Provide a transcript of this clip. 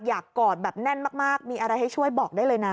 กอดแบบแน่นมากมีอะไรให้ช่วยบอกได้เลยนะ